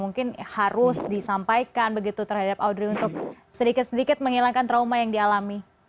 mungkin harus disampaikan begitu terhadap audrey untuk sedikit sedikit menghilangkan trauma yang dialami